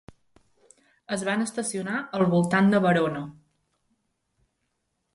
Es van estacionar al voltant de Verona.